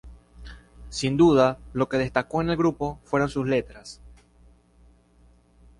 Sin duda lo que destacó en el grupo fueron sus letras.